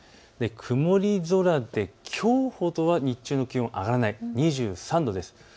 曇り空できょうほどは日中の気温、上がらない、２３度です。